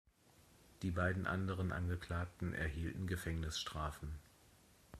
Die beiden anderen Angeklagten erhielten Gefängnisstrafen.